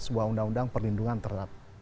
sebuah undang undang perlindungan terhadap